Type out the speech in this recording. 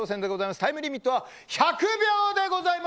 タイムリミットは１００秒です。